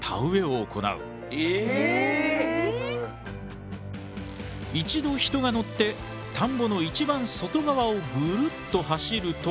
一度人が乗って田んぼの一番外側をぐるっと走ると。